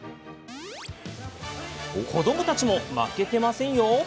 子どもたちも負けてませんよ。